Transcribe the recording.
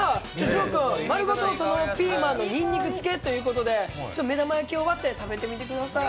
丸ごと、そのままピーマンのニンニク漬けということで、ちょっと目玉焼きを割って食べてみてください。